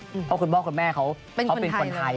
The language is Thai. เพราะคุณพ่อคุณแม่เขาเป็นคนไทย